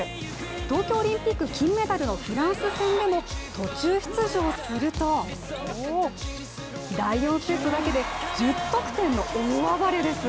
東京オリンピック金メダルのフランス戦でも途中出場すると第４セットだけで１０得点の大暴れです。